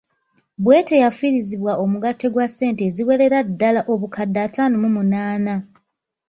Bwete yafiirizibwa omugatte gwa ssente eziwerera ddala obukadde ataano mu munaana.